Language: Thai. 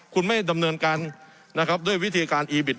คุณไม่ดำเนินการนะครับด้วยวิธีการอีบิต